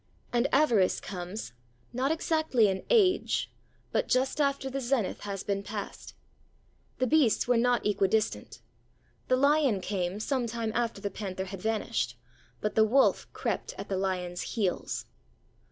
And Avarice comes, not exactly in age, but just after the zenith has been passed. The beasts were not equidistant. The lion came some time after the panther had vanished; but the wolf crept at the lion's heels.